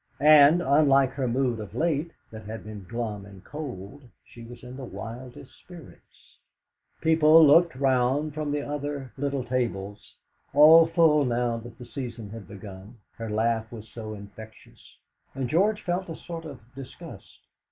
And, unlike her mood of late, that had been glum and cold, she was in the wildest spirits. People looked round from the other little tables, all full now that the season had begun, her laugh was so infectious; and George felt a sort of disgust.